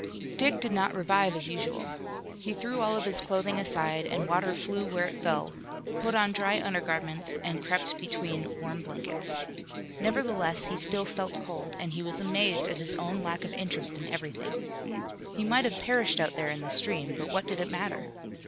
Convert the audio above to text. Dick did not revive as usual. He threw all of his clothing aside and water flew where it fell, put on dry undergarments and crept between warm blankets. Nevertheless he still felt cold, and he was amazed at his own lack of interest in everything. He might have perished out there in the stream, but what did it matter?